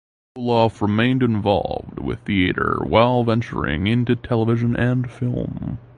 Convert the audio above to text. Olaf remained involved with theatre while venturing into television and film.